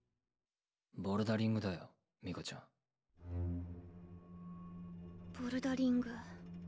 ボルダリングだよミカちゃん。ボルダリング。